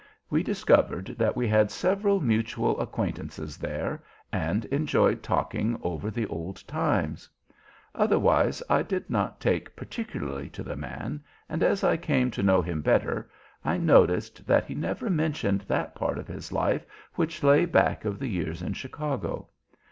We discovered that we had several mutual acquaintances there, and enjoyed talking over the old times. Otherwise I did not take particularly to the man, and as I came to know him better I noticed that he never mentioned that part of his life which lay back of the years in Chicago.